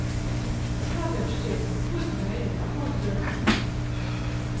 Kā tev šķiet, ko tu mēģini apmuļķot?